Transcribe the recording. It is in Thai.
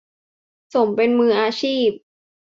สมเป็นมืออาชีพ